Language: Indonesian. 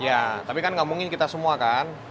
ya tapi kan ngomongin kita semua kan